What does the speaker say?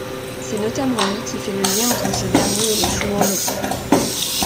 C'est notamment lui qui fait le lien entre ce dernier et les chouans locaux.